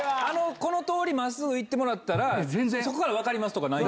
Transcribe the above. この通りまっすぐ行ってもらったら、そこから分かりますみたいなないの？